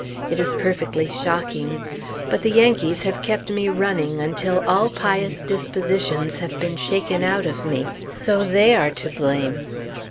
It is perfectly shocking; but the Yankees have kept me running until all pious dispositions have been shaken out of me; so they are to blame.